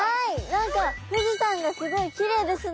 何か富士山がすごいきれいですね。